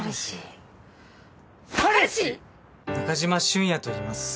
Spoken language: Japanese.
中島俊也といいます。